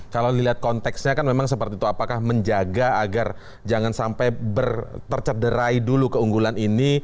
kalau dilihat konteksnya kan memang seperti itu apakah menjaga agar jangan sampai tercederai dulu keunggulan ini